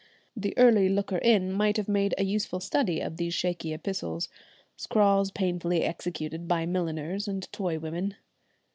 The early looker in might have made a useful study of these shaky epistles, scrawls painfully executed by milliners and toy women.